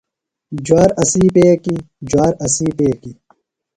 جوار اسی پیکِیۡ ، جوار اسی پیکِیۡ